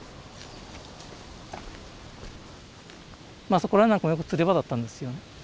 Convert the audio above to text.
そこらなんかもよく釣り場だったんですよね。